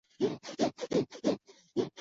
蓝刺鹤虱为紫草科鹤虱属的植物。